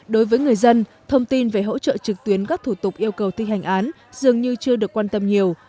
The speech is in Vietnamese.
đối với người dân thông tin về hỗ trợ trực tuyến các thủ tục yêu cầu thi hành án dường như chưa được quan tâm nhiều